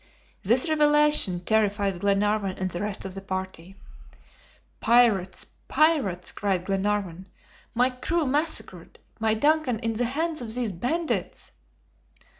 This revelation terrified Glenarvan and the rest of the party. "Pirates! pirates!" cried Glenarvan. "My crew massacred! my DUNCAN in the hands of these bandits!"